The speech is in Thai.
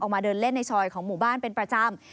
มาเดินเล่นในซอยของหมู่บ้านเป็นประจำ